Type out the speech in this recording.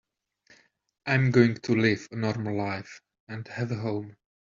I'm going to live a normal life and have a home.